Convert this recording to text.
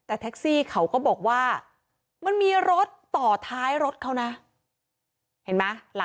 แต่แท็กซี่เขาก็บอกว่าแท็กซี่ควรจะถอยควรจะหลบหน่อยเพราะเก่งเทาเนี่ยเลยไปเต็มคันแล้ว